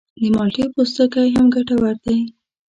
د مالټې پوستکی هم ګټور دی.